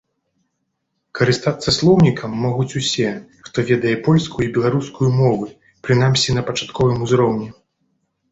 Карыстацца слоўнікам могуць усе, хто ведае польскую і беларускую мовы, прынамсі на пачатковым узроўні.